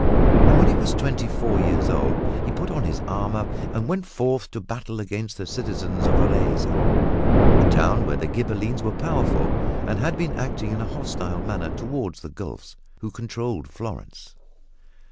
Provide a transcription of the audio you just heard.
And when he was twenty four years old he put on his armor and went forth to battle against the citizens of Arezzo, a town where the Ghibellines were powerful and had been acting in a hostile manner toward the Guelfs, who controlled Florence.